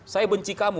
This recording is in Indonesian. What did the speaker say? saya benci kamu